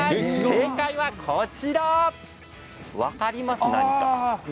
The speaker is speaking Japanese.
正解はこちら、分かりますか？